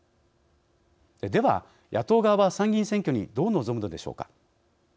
では野党側は参議院選挙にどう臨むのでしょうか。